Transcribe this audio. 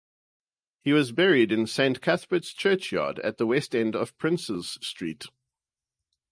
He was buried in Saint Cuthbert's Churchyard at the west end of Princes Street.